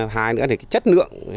hai nữa là chất lượng